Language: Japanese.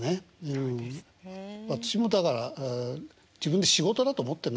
私もだから自分で仕事だと思ってないから。